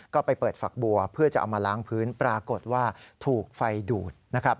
ก็ไปเปิดฝักบัวเพื่อจะเอามาล้างพื้นปรากฏว่าถูกไฟดูดนะครับ